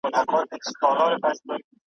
یوه ورځ به تلل کیږي عملونه په مېزان `